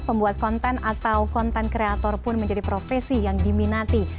pembuat konten atau konten kreator pun menjadi profesi yang diminati